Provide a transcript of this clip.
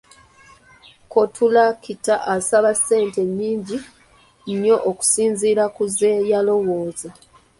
Kontulakita asaba ssente nyingi nnyo okusinzira ku ze yalowoza.